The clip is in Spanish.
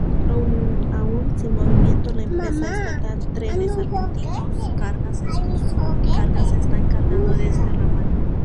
Aún sin movimiento, la empresa estatal Trenes Argentinos Cargas está encargada de este ramal.